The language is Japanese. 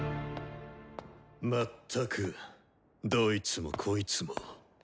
全くどいつもこいつも。